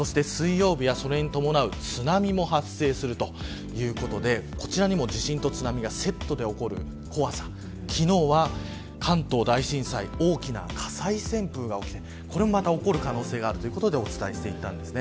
そして水曜日はそれに伴う津波も発生するということで、こちらにも地震と津波がセットで起こる怖さ昨日は関東大震災大きな火災旋風が起きてこれがまた起こる可能性があるということをお伝えしました。